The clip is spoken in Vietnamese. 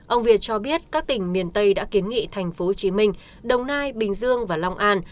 ông việt cho biết các tỉnh miền tây đã kiến nghị tp hcm đồng nai bình dương và long an